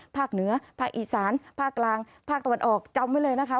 ภาคเหนือภาคอีสานภาคกลางภาคตะวันออกจำไว้เลยนะคะ